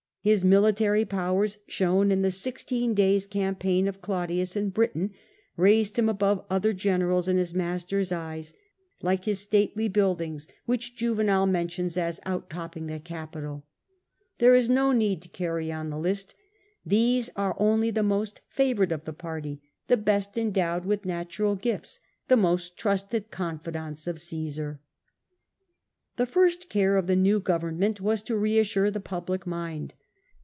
Hismilitary powers, shown in the sixteen days campaign of Claudius in Britain, raised him above other generals in his master's eyes, like his stately buildings Callistus. Felix. Posides. A.D. 4I 54 Claudius, 89 which Juvenal mentions as outtopping the Capitol. Th.eie is no need to carry on the list. These are only tlie most favoured of the party, the best endowed with natural gifts, the most trusted confidants of Caisar. The first care of the new government was to reassure the public mind.